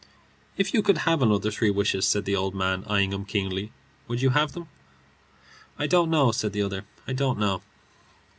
"If you could have another three wishes," said the old man, eyeing him keenly, "would you have them?" "I don't know," said the other. "I don't know."